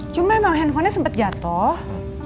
cuma memang handphonenya sempet jatoh